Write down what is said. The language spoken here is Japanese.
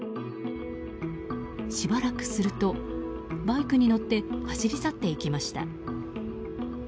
しばらくすると、バイクに乗って走り去っていきました。